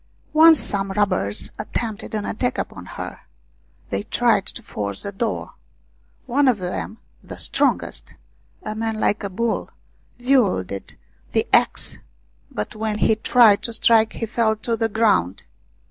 Once some robbers attempted an attack upon her. They tried to force the door. One of them, the strongest, a man like a bull, wielded the axe, but when he tried to strike he fell to the ground.